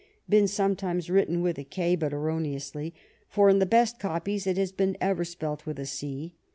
been sometimes written with a K ; but erroneously ; for in the best copies it has been ever spelt with a C.